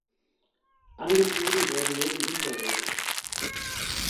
Angetrieben werden nur die Hinterräder.